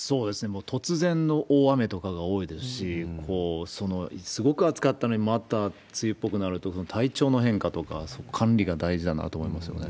もう、突然の大雨とかが多いですし、すごく暑かったのにまた梅雨っぽくなると、体調の変化とか管理が大事だなと思いますよね。